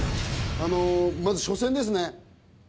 まず初戦ですね。